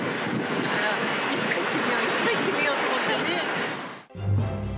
いつか行ってみよう、いつか行ってみようと思ったよね。